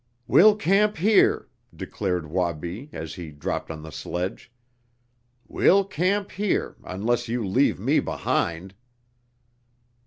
"We'll camp here!" declared Wabi, as he dropped on the sledge. "We'll camp here unless you leave me behind!"